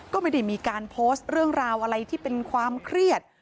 ก็ไม่ได้มีการโพสต์เรื่องราวอะไรที่เป็นความเครียด